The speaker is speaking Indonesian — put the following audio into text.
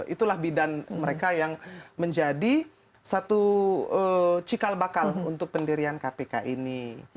itulah bidan mereka yang menjadi satu cikal bakal untuk pendirian kpk ini